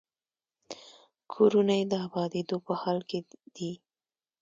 کورونه یې د ابادېدو په حال کې دي.